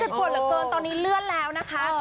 ปวดเหลือเกินตอนนี้เลื่อนแล้วนะคะ